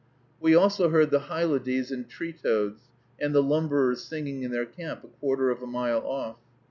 We also heard the hylodes and tree toads, and the lumberers singing in their camp a quarter of a mile off.